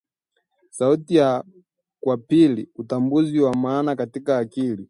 sauti na kwa pili utambuzi wa maana katika akili